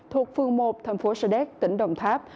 thuộc phương một thành phố sa đéc tỉnh đồng tháp